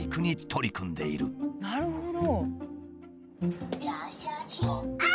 なるほど。